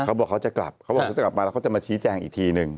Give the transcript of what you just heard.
เขาบอกเขาจะกลับเขาบอกเขาจะกลับมาแล้วเขาจะมาชี้แจงอีกทีนึง